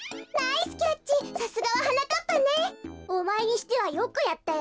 おまえにしてはよくやったよ。